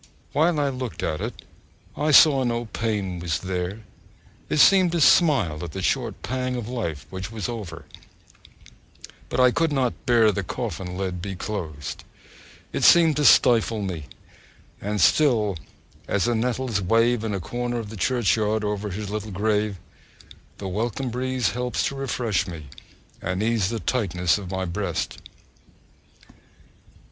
While I looked at it, I saw no pain was there; it seemed to smile at the short pang of life which was over: but I could not bear the coffin lid to be closed it seemed to stifle me; and still as the nettles wave in a corner of the churchyard over his little grave, the welcome breeze helps to refresh me, and ease the tightness at my breast!